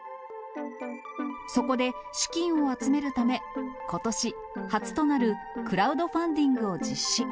そこで資金を集めるため、ことし初となるクラウドファンディングを実施。